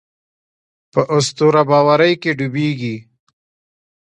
په اسطوره باورۍ کې ډوبېږي.